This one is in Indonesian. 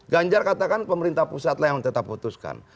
ganjar katakan pemerintah pusatlah yang tetap putuskan